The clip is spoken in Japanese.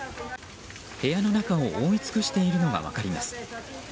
部屋の中を覆い尽くしているのが分かります。